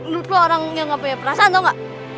lu tuh orang yang ga punya perasaan tau ga